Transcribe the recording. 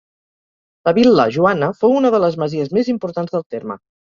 La Vil·la Joana fou una de les masies més importants del terme.